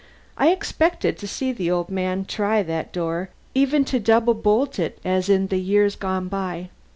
I expected to see the old man try that door, even to double bolt it as in the years gone by.